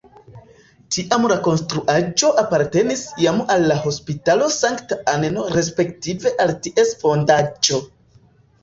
Tiam la konstruaĵo apartenis jam al la Hospitalo Sankta Anno respektive al ties fondaĵo.